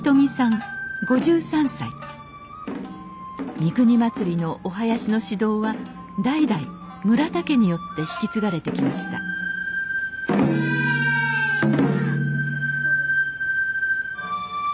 三国祭のお囃子の指導は代々村田家によって引き継がれてきましたえいや！